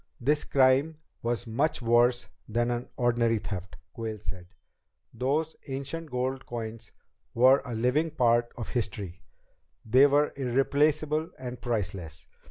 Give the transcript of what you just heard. "This crime was much worse than an ordinary theft," Quayle said. "Those ancient gold coins were a living part of history. They were irreplaceable and priceless.